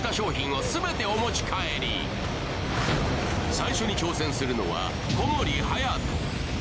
最初に挑戦するのは、小森隼。